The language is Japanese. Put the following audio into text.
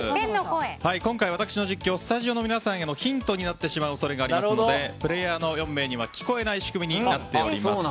今回、私の実況はスタジオの皆さんへのヒントになってしまう恐れがありますのでプレーヤーの４名には聞こえない仕組みになっています。